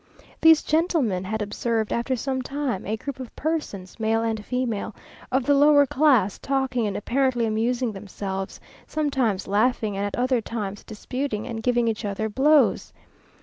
These gentlemen had observed, for some time, a group of persons, male and female, of the lower class, talking and apparently amusing themselves; sometimes laughing, and at other times disputing and giving each other blows.